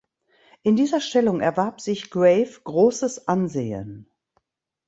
In dieser Stellung erwarb sich Grave großes Ansehen.